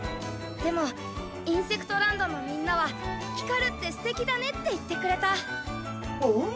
でもインセクトランドのみんなは光るってすてきだねって言ってくれた。